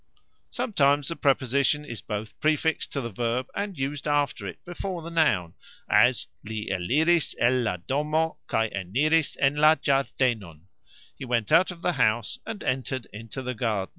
Sometimes the preposition is both prefixed to the verb and used after it before the noun, as "Li eliris el la domo, kaj eniris en la gxardenon", He went out of the house, and entered into the garden.